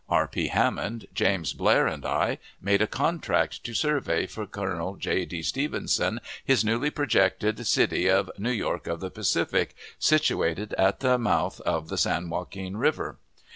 R. P. Hammond, James Blair, and I, made a contract to survey for Colonel J. D. Stevenson his newly projected city of "New York of the Pacific," situated at the month of the San Joaquin River.